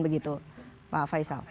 begitu pak faisal